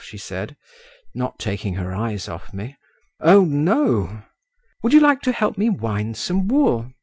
she said, not taking her eyes off me. "Oh, no." "Would you like to help me wind some wool?